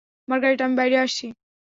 Margaret, আমি বাইরে আসছি।